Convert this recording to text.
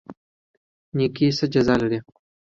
نیکي څه جزا لري؟